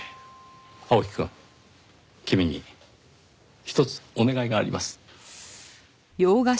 青木くん君にひとつお願いがあります。